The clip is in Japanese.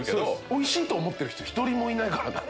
「おいしいと思ってる人１人もいないからな」